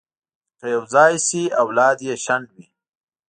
که یو ځای شي، اولاد یې شنډ وي.